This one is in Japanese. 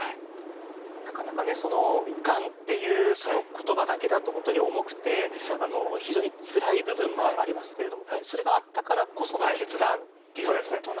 なかなかねそのがんっていうその言葉だけだと本当に重くて非常につらい部分もありますけれどもそれがあったからこその決断っていうことなんです。